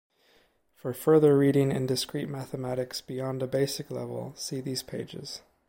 For further reading in discrete mathematics, beyond a basic level, see these pages.